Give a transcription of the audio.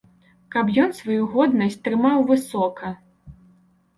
Каб ён сваю годнасць трымаў высока.